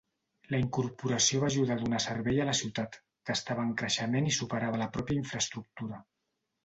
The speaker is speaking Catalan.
La incorporació va ajudar a donar servei a la ciutat, que estava en creixement i superava la pròpia infraestructura.